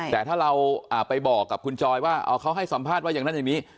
แต่ถ้าเราไปบอกกับคุณจอยว่าเขาให้สัมภาษณ์ว่าอย่างนั้นอย่างนี้